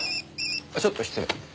ちょっと失礼。